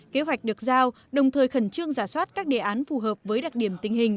kế hoạch được giao đồng thời khẩn trương giả soát các đề án phù hợp với đặc điểm tình hình